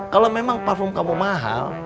kalau memang parfum kamu mahal